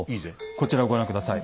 こちらをご覧下さい。